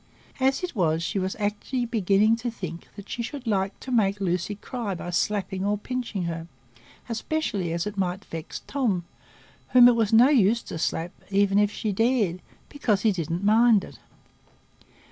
As it was, she was actually beginning to think that she should like to make Lucy cry by slapping or pinching her, especially as it might vex Tom, whom it was of no use to slap, even if she dared, because he didn't mind it.